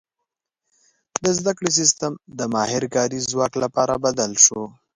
• د زده کړې سیستم د ماهر کاري ځواک لپاره بدل شو.